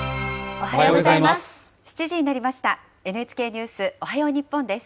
おはようございます。